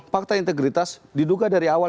fakta integritas diduga dari awal